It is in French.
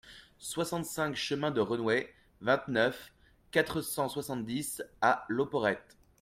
soixante-cinq chemin de Reunouet, vingt-neuf, quatre cent soixante-dix à Loperhet